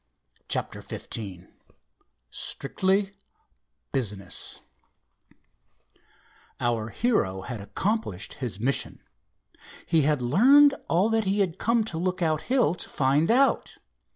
CHAPTER XV STRICTLY BUSINESS Our hero had accomplished his mission. He had learned all that he had come to Lookout Hill to find out.